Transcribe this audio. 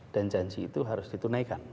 dan janji itu harus ditunaikan